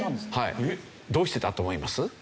どうしてだと思います？